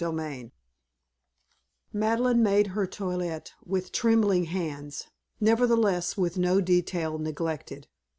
XLVI Madeleine made her toilette with trembling hands, nevertheless with no detail neglected.